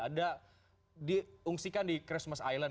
ada diungsikan di christmas island